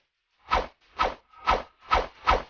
ain warissa pardah dianak